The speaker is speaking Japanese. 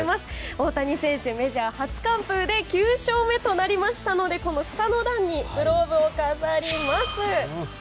大谷選手、メジャー初完封で９勝目となりましたので下の段にグローブを飾ります。